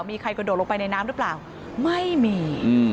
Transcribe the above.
มีใครกระโดดลงไปในน้ำหรือเปล่าไม่มี